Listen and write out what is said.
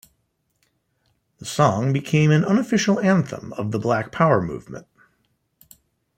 The song became an unofficial anthem of the Black Power movement.